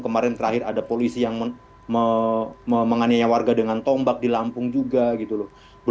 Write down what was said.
kemarin terakhir ada polisi yang menganiaya warga dengan tombak di lampung juga gitu loh